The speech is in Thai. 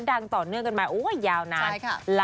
ดังต่อเนื่องกันมายาวนาน